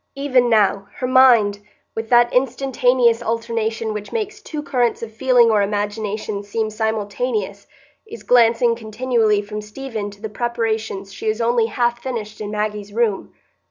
Even now, her mind, with that instantaneous alternation which makes two currents of feeling or imagination seem simultaneous, is glancing continually from Stephen to the preparations she has only half finished in Maggie's room.